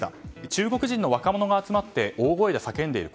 中国人の若者が集まって大声で叫んでいる。